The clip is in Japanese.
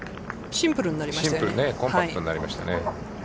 シンプル、コンパクトになりましたね。